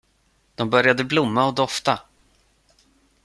De började blomma och dofta.